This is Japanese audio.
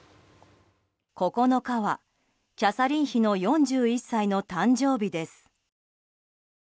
９日はキャサリン妃の４１歳の誕生日です。